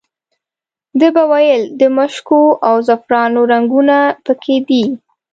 ده به ویل د مشکو او زعفرانو رنګونه په کې دي.